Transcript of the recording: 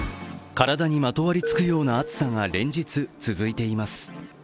体にまとわりつくような暑さが連日続いています。